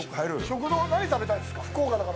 食堂、何食べたいですか。